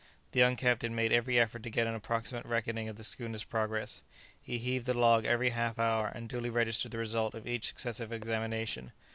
The young captain made every effort to get an approximate reckoning of the schooner's progress. He heaved the log every half hour and duly registered the result of each successive examination.